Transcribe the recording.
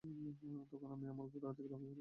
তখন আমি আমার ঘোড়া থেকে লাফিয়ে পড়লাম।